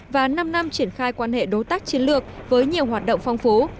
và năm năm triển khai quan hệ đối tác chiến lược với nhiều hoạt động phong phú